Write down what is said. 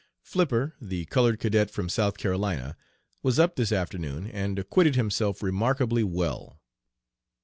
"Flipper, the colored cadet from South Carolina, was up this afternoon and acquitted himself remarkably well.